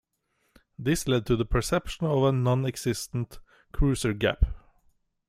This led to the perception of a non-existent "cruiser gap".